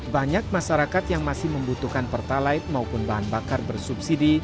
banyak masyarakat yang masih membutuhkan pertalite maupun bahan bakar bersubsidi